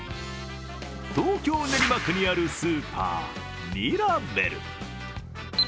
東京・練馬区にあるスーパーみらべる。